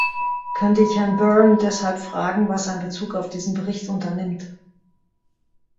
Könnte ich Herrn Byrne deshalb fragen, was er in bezug auf diesen Bericht unternimmt.